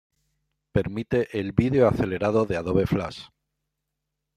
Permite el vídeo acelerado de Adobe Flash.